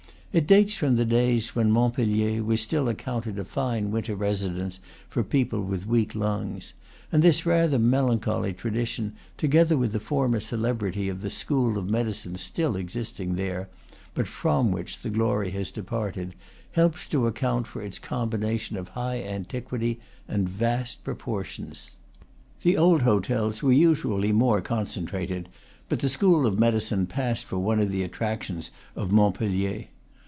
It dates from the days when Montpellier was still accounted a fine winter re sidence for people with weak lungs; and this rather melancholy tradition, together with the former celebrity of the school of medicine still existing there, but from which the glory has departed, helps to account for its combination of high antiquity and vast proportions. The old hotels were usually more concentrated; but the school of medicine passed for one of the attrac tions of Montpellier.